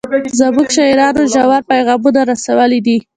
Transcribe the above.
زموږ شاعرانو ژور پیغامونه رسولي دي.